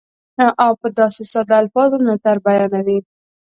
او په داسې ساده الفاظو نظر بیانوي